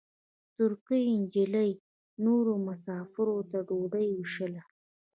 ترکۍ نجلۍ نورو مساپرو ته ډوډۍ وېشله.